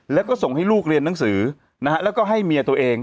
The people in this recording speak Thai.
แล้วก็ส่งให้ลูกเรียนหนังสือนะฮะแล้วก็ให้เมียตัวเอง